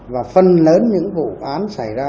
và phân lớn những vụ án xảy ra